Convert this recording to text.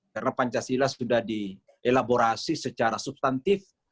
karena pancasila sudah dielaborasi secara substantif